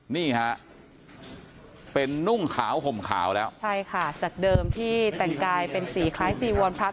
นี่ฮะเป็นนุ่งขาวห่มขาวแล้วใช่ค่ะจากเดิมที่แต่งกายเป็นสีคล้ายจีวรพระ